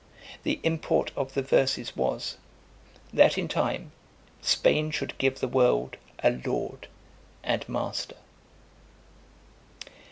The import of the verses was, "That in time, Spain should give the world a lord and master."